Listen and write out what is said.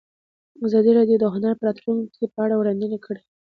ازادي راډیو د هنر د راتلونکې په اړه وړاندوینې کړې.